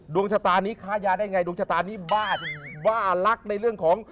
ดวงชะตานี้ค้ายาได้ไงดวงชะตานี้บ้าบ้ารักในเรื่องของ